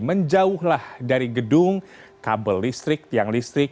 menjauhlah dari gedung kabel listrik tiang listrik